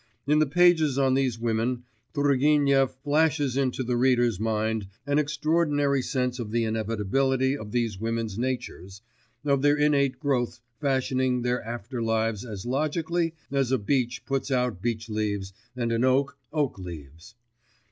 In the pages (pages 140, 141, 146, 147) on these women, Turgenev flashes into the reader's mind an extraordinary sense of the inevitability of these women's natures, of their innate growth fashioning their after lives as logically as a beech puts out beech leaves and an oak oak leaves.